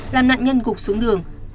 làm nạn nhân gục xuống đường